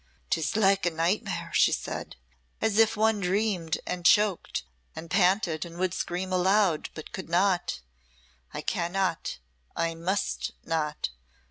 "'Tis like a nightmare," she said "as if one dreamed, and choked, and panted, and would scream aloud, but could not. I cannot! I must not!